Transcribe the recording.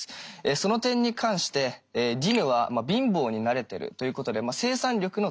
その点に関してディヌは貧乏に慣れてるということで生産力の低下は考えにくい。